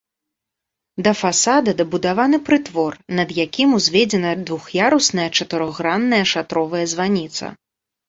Да фасада дабудаваны прытвор, над якім узведзена двух'ярусная чатырохгранная шатровая званіца.